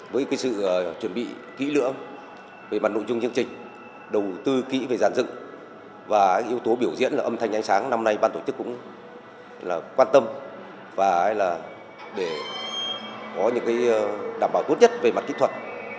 với sự chuẩn bị kỹ lưỡng về mặt nội dung chương trình đầu tư kỹ về giàn dựng và yếu tố biểu diễn là âm thanh ánh sáng năm nay ban tổ chức cũng quan tâm và để có những đảm bảo tốt nhất về mặt kỹ thuật